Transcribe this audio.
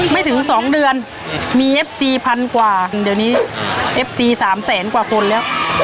ไม่ถึงสองเดือนมีเอฟซีพันกว่าเดี๋ยวนี้เอฟซี๓แสนกว่าคนแล้ว